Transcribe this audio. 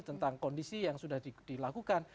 tentang kondisi yang sudah dilakukan